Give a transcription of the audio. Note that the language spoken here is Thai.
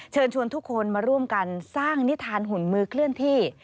เชิญชวนทุกคนมาร่วมกันสร้างนิทานหุ่นมือเคลื่อนที่